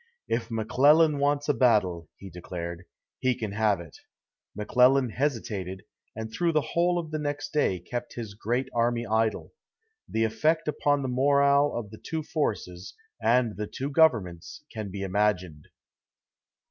"If McClellan wants a battle," he declared, "he can have it." McClellan hesitated, and through the whole of the next day kept his great army idle. The effect upon the morale of the two forces, and the two governments, can be imagined.